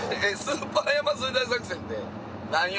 『スーパー山添大作戦』って何曜？